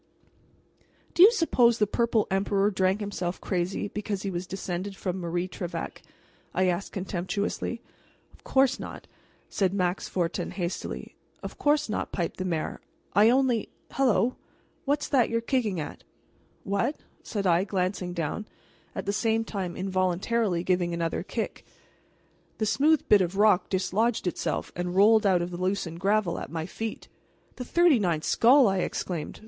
"Do you suppose the Purple Emperor drank himself crazy because he was descended from Marie Trevec?" I asked contemptuously. "Of course not," said Max Fortin hastily. "Of course not," piped the mayor. "I only Hellow! what's that you're kicking?" "What?" said I, glancing down, at the same time involuntarily giving another kick. The smooth bit of rock dislodged itself and rolled out of the loosened gravel at my feet. "The thirty ninth skull!" I exclaimed.